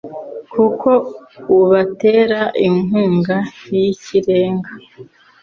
kuko ubatera inkunga y’ikirenga